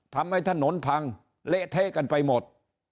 ทำให้ถนนพังเละเทะกันไปหมด